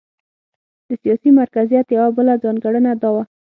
د سیاسي مرکزیت یوه بله ځانګړنه دا وه.